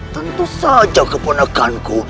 tentu saja keponakanku